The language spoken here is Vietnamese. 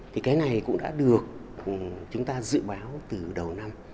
thì cái này cũng đã được chúng ta dự báo từ đầu năm